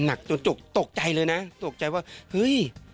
ตกใจเหรอคะตกใจเลยนะตกใจว่าเฮ่ย